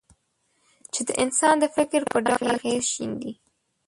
چې د انسان د فکر په ډول اغېز شیندي.